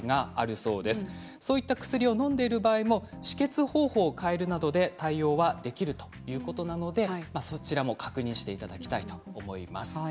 そういった薬をのんでいる場合の止血方法を変えるなどで対応はできるということなのでそちらも確認していただきたいと思います。